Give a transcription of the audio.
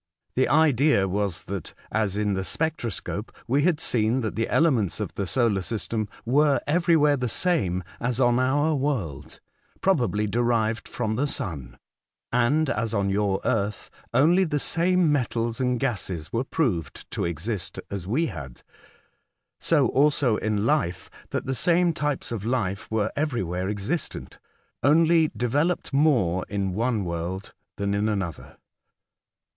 The idea was that, as in the spectro scope we had seen that the elements of the solar system were everywhere the same as on our world, probably derived from the sun — and, as on your earth, only the same metals and gases were proved to exist as we had — so also, in life, that the same types of life were everywhere existent, only developed more in 96 A Voyage to Other Worlds. one world than in another.